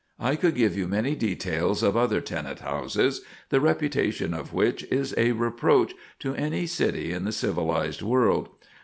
I could give you many details of other tenant houses, the reputation of which is a reproach to any city in the civilized world.